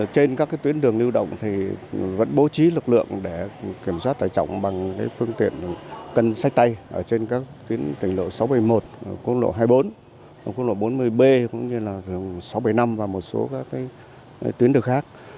trên các tuyến đường lưu động vẫn bố trí lực lượng để kiểm soát tài trọng bằng phương tiện cân sách tay trên các tuyến lộ sáu bảy một hai mươi bốn bốn mươi b sáu bảy năm và một số tuyến đường khác